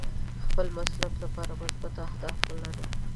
د خپل مسلک لپاره مثبت اهداف ولرئ.